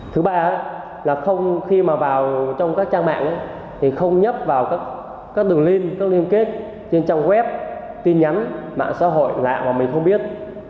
thứ ba là khi mà vào trong các trang mạng thì không nhấp vào các đường link các liên kết trên trang web tin nhắn mạng xã hội lạ mà mình không biết